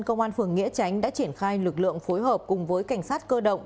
công an phường nghĩa chánh đã triển khai lực lượng phối hợp cùng với cảnh sát cơ động